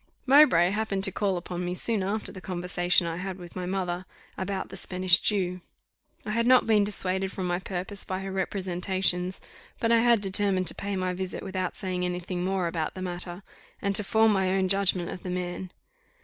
Mowbray happened to call upon me soon after the conversation I had with my mother about the Spanish Jew. I had not been dissuaded from my purpose by her representations; but I had determined to pay my visit without saying any thing more about the matter, and to form my own judgment of the man.